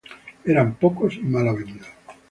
Eran pocos y mal avenidos